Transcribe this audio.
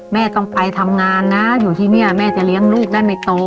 แม่ต้องไปทำงานนะอยู่ที่นี่แม่จะเลี้ยงลูกได้ไม่โต